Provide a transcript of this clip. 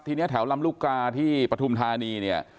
ทีนี้แถวลำลูกกาที่ปฐุมธานีเนี่ย